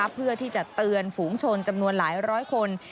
เพื่อที่จะเตือนฝูงชนจำนวนหลายร้อยคน